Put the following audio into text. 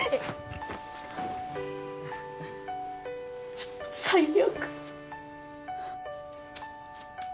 ちょっと最悪。